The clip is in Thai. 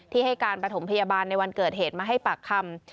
ให้การประถมพยาบาลในวันเกิดเหตุมาให้ปากคำ